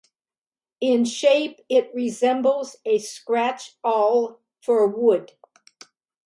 In shape it resembles a scratch awl for wood.